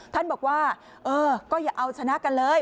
ท่านบอกว่าเออก็อย่าเอาชนะกันเลย